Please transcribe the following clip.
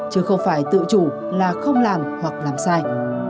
chứ không phải tự chủ là không làm hoặc làm sai